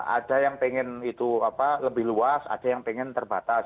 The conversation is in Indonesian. ada yang pengen itu lebih luas ada yang pengen terbatas